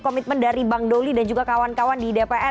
komitmen dari bang doli dan juga kawan kawan di dpr